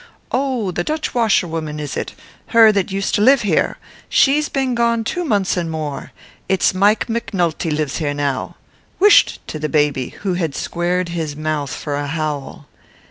"Oh, the Dutch washerwoman is it her that used to live here? She's been gone two months and more. It's Mike McNulty lives here now. Whisht!" to the baby, who had squared his mouth for a howl.